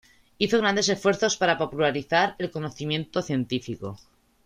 Hizo grandes esfuerzos para popularizar el conocimiento científico.